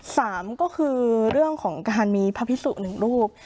สามก็คือเรื่องของการมีพระพิสุหนึ่งรูป